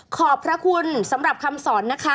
ขอบพระคุณสำหรับคำสอนนะคะ